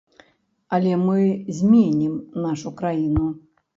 Але мы зменім нашу краіну.